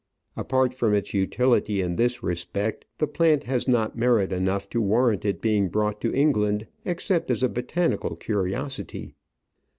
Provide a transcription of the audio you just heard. Apart from its utility in this respect, the plant has not merit enough to warrant it being brought to England, except as a botanical curiosity.